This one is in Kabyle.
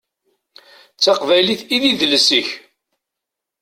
D taqbaylit i d idles-ik.